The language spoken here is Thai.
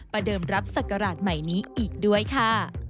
เดิมรับศักราชใหม่นี้อีกด้วยค่ะ